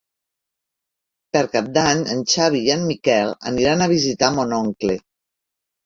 Per Cap d'Any en Xavi i en Miquel aniran a visitar mon oncle.